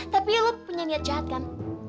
tapi lo punya niat jahat kan